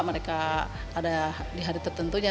mereka ada di hari tertentunya